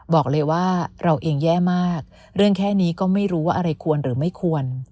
บอกเลยว่าเราเองแย่มากเรื่องแค่นี้ก็ไม่รู้ว่าอะไรควรหรือไม่ควร